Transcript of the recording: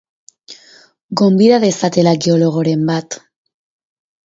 Gonbida dezatela geologoren bat.